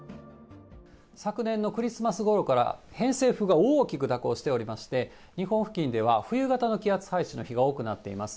昨年のクリスマスごろから偏西風が大きく蛇行しておりまして、日本付近では冬型の気圧配置の日が多くなっています。